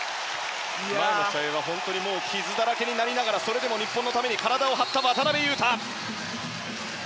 前の試合は傷だらけになりながらそれでも日本のために体を張った渡邊雄太。